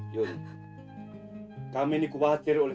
ya kami ini khawatir oleh